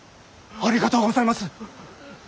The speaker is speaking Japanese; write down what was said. ありがとうございます。